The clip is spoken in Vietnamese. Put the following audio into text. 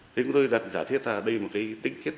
thế chúng tôi đặt giả thiết ra đây là một cái tinh khiết